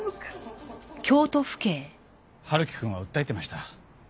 春樹くんは訴えてました。